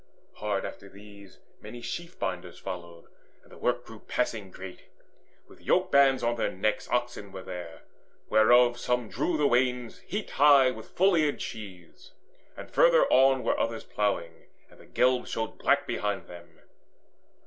Hard after these Many sheaf binders followed, and the work Grew passing great. With yoke bands on their necks Oxen were there, whereof some drew the wains Heaped high with full eared sheaves, and further on Were others ploughing, and the glebe showed black Behind them.